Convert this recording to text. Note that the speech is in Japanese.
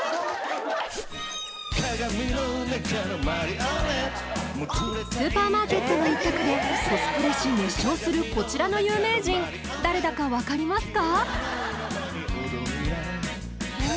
モモスーパーマーケットの一角でコスプレし熱唱するこちらの有名人誰だか分かりますか？